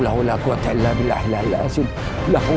nama wanita lo terburu buru